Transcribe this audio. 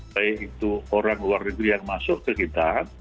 baik itu orang luar negeri yang masuk ke kita